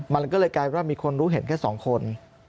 มันก็เลยกลายว่ามีคนรู้เห็นแค่๒คน